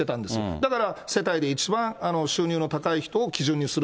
だから世帯で一番収入の高い人を基準にする。